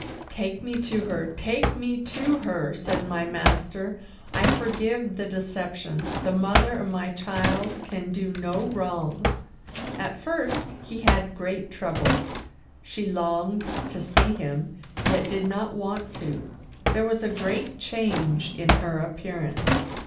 "Take me to her, take me to her," said my master. "I forgive the deception. The mother of my child can do no wrong." At first he had great trouble. She longed to see him, yet did not want to. There was a great change in her appearance.